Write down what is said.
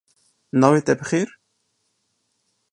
Navê te bi xêr?